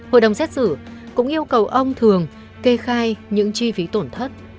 hội đồng xét xử cũng yêu cầu ông thường kê khai những chi phí tổn thất